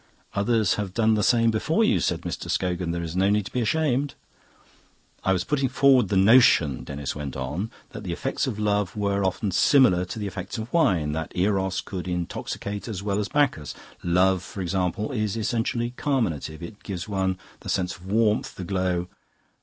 "Others have done the same before you," said Mr. Scogan. "There is no need to be ashamed." "I was putting forward the notion," Denis went on, "that the effects of love were often similar to the effects of wine, that Eros could intoxicate as well as Bacchus. Love, for example, is essentially carminative. It gives one the sense of warmth, the glow.